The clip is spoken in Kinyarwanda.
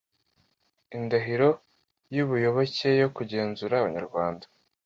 Indahiro y'ubuyoboke yo kugenzura Abanyarwanda